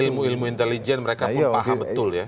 ilmu ilmu intelijen mereka pun paham betul ya